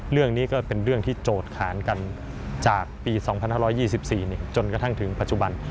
เรื่องนี้ก็เป็นเรื่องที่โจทย์ขานกันจากปี๒๕๒๔จนกระทั่งถึงปัจจุบัน